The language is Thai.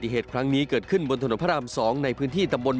หลังเกิดเหตุตำรุสพมสมุทรสาขอน